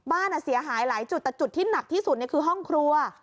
บ้านเสียหายหลายจุดแต่จุดที่หนักที่สุดคือห้องครัว